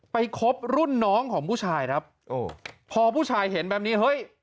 คบรุ่นน้องของผู้ชายครับโอ้พอผู้ชายเห็นแบบนี้เฮ้ย